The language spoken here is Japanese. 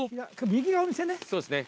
右がお店ね。